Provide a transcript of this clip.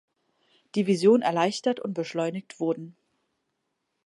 Division erleichtert und beschleunigt wurden.